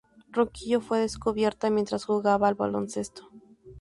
Ronquillo fue descubierta mientras jugaba al baloncesto.